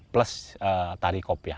plus tari kop ya